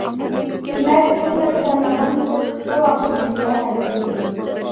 دېمەك، بۇ مەسىلىلەرنىڭ ھەممىسى قىسقا ۋاقىت ئىچىدە ھەل قىلىندى.